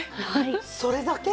それだけ？